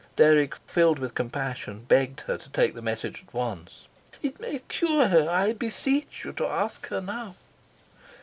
Dirk, filled with compassion, begged her to take the message at once. "It may cure her. I beseech you to ask her now."